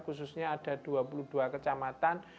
khususnya ada dua puluh dua kecamatan